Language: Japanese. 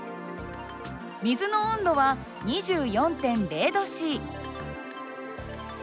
水の温度は２４．０℃。